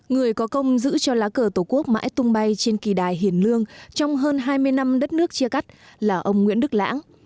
người có công giữ cho lá cờ tổ quốc mãi tung bay trên kỳ đài hiền lương trong hơn hai mươi năm đất nước chia cắt là ông nguyễn đức lãng